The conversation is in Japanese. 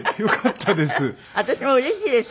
私もうれしいです。